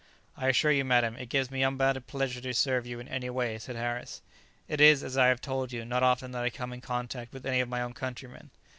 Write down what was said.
"I assure you, madam, it gives me unbounded pleasure to serve you in any way," said Harris; "it is, as I have told you, not often that I come in contact with any of my own countrymen."